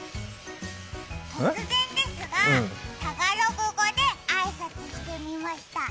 突然ですがタガログ語で挨拶してみました。